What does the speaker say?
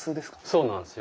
そうなんですよ。